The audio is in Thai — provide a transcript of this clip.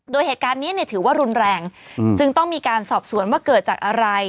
โดยเหตุการณ์นี้เนี่ยถือว่ารุนแรงจึงต้องมีการสอบสวนว่าเกิดจากอะไร